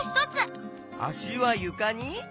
あしはゆかに？